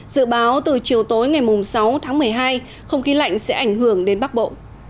dự báo từ chiều tối ngày sáu tháng một mươi hai không khí lạnh sẽ ảnh hưởng đến bắc bộ